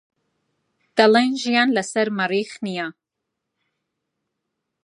دەڵێن ژیان لەسەر مەریخ نییە.